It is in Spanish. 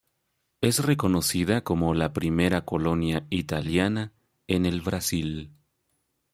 Es reconocida como la primera colonia italiana en el Brasil.